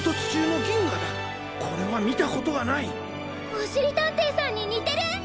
おしりたんていさんににてる！